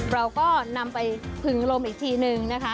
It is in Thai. เราก็นำไปพึงลมอีกทีนึงนะคะ